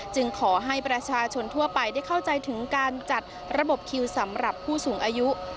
ขอให้ประชาชนทั่วไปได้เข้าใจถึงการจัดระบบคิวสำหรับผู้สูงอายุ